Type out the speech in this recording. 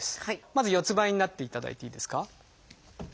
まず四つんばいになっていただいていいですか。